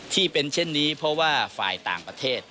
ที่เป็นเช่นนี้เพราะว่าฝ่ายต่างประเทศ